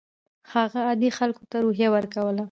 هغه عادي خلکو ته روحیه ورکوله.